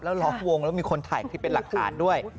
แล้วล้อมวงแล้วมีคนถ่ายคลิปเป็นหลักฐานด้วย